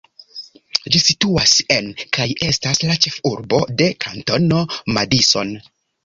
Ĝi situas en, kaj estas la ĉefurbo de, Kantono Madison.